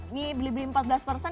ini blibli empat belas persen